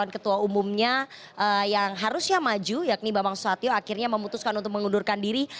ketua umumnya yang harusnya maju yakni bambang susatyo akhirnya memutuskan untuk mengundurkan diri